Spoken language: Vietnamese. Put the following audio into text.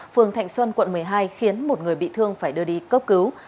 phường thạnh xuân quận một mươi hai khiến một người bị thương phải đưa đi cấp cứu